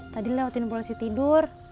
tadi lewatin polosi tidur